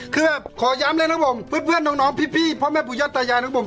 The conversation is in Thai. คือแบบขอยามเลยนี่ครับผมเพื่อนน้องพี่พ่อแม่พระพุทธยาวศาลัยศาลนี่ครับผม